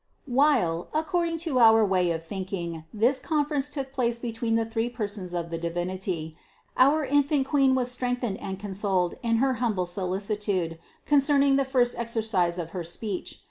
397. While, according to our way of thinking, this conference took place between the three Persons of the Divinity, our infant Queen was strengthened and con soled in her humble solicitude concerning the first ex ercise of her speech.